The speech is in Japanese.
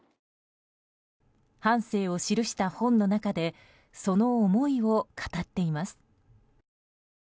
半生を記した本の中でその思いを語っています。